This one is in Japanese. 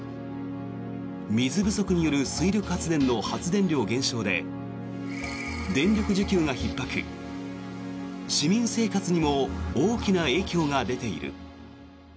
水不足による水力発電の発電量減少で電力需給がひっ迫市民生活にも大きな影響が出ている。